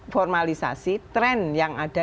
formalisasi trend yang ada